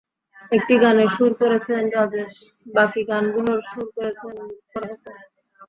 একটি গানের সুর করেছেন রাজেশ, বাকি গানগুলোর সুর করেছেন লুত্ফর হাসান।